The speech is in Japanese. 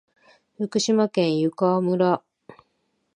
福島県湯川村